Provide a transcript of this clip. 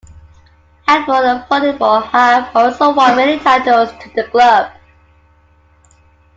Handball and Volleyball have also won many titles to the club.